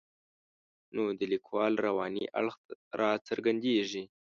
نو د لیکوال رواني اړخ راته څرګندېږي.